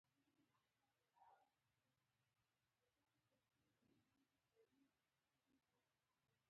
ناسم اعلان پیرودونکي غولوي.